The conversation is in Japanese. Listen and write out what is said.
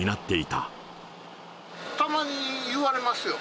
たまに言われますよ。